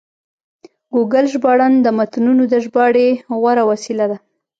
ګوګل ژباړن د متنونو د ژباړې غوره وسیله ده.